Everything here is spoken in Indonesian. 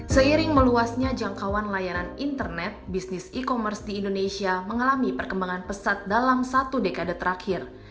seiring meluasnya jangkauan layanan internet bisnis e commerce di indonesia mengalami perkembangan pesat dalam satu dekade terakhir